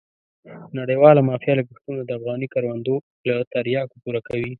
نړیواله مافیا لګښتونه د افغاني کروندو له تریاکو پوره کوي.